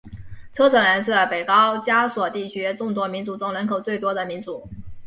车臣人是北高加索地区众多民族中人口最多的民族。